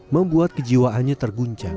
membuat kejiwaannya terguncang